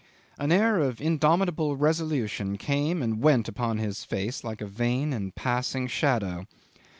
An air of indomitable resolution came and went upon his face like a vain and passing shadow.